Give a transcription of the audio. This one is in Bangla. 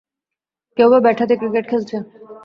কেউবা ব্যাট হাতে ক্রিকেট খেলছে।